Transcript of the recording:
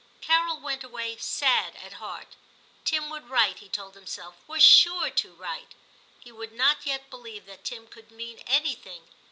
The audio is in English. Carol went away sad at heart. Tim would write, he told himself, — was sure to write. He would not yet believe that Tim could mean anything.